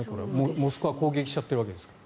モスクワを攻撃しているわけですから。